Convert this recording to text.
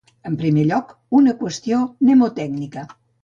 En primer lloc, una qüestió mnemotècnica.